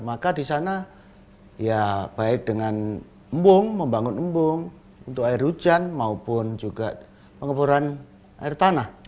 maka di sana ya baik dengan embung membangun embung untuk air hujan maupun juga pengeboran air tanah